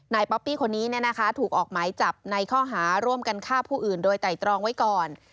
ป๊อปปี้คนนี้ถูกออกหมายจับในข้อหาร่วมกันฆ่าผู้อื่นโดยไตรตรองไว้ก่อน